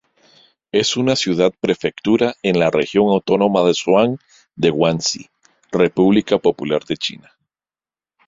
Es una ciudad-prefectura en la región autónoma Zhuang de Guangxi, República Popular de China.